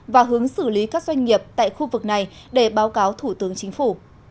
và hướng xử lý các doanh nghiệp tại khu vực này để báo cáo thủ tướng chính phủ